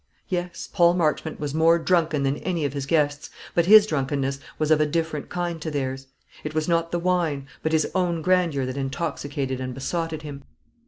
Yes, Paul Marchmont was more drunken than any of his guests; but his drunkenness was of a different kind to theirs. It was not the wine, but his own grandeur that intoxicated and besotted him.